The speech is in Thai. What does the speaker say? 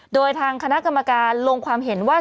โดยทางคณะกรรมการลงความเห็นว่า